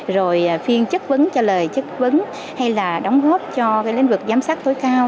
rồi phiên chất vấn cho lời chất vấn hay là đóng góp cho lĩnh vực giám sát tối cao